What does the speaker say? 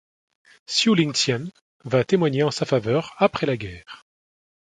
Siou-Ling Tsien va témoigner en sa faveur après la guerre.